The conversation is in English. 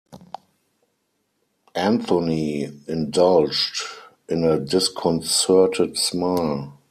Anthony indulged in a disconcerted smile.